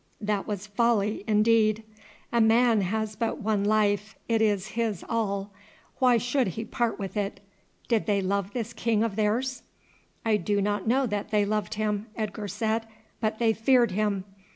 That was folly indeed. A man has but one life, it is his all; why should he part with it? Did they love this king of theirs?" "I do not know that they loved him," Edgar said, "but they feared him.